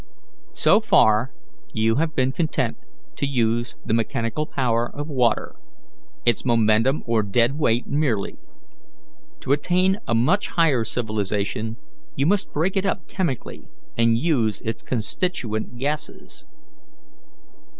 So far you have been content to use the mechanical power of water, its momentum or dead weight merely; to attain a much higher civilization, you must break it up chemically and use its constituent gases."